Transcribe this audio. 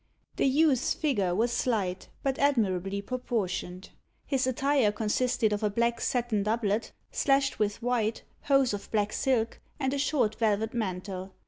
The youth's figure was slight, but admirably proportioned. His attire consisted of a black satin doublet, slashed with white, hose of black silk, and a short velvet mantle.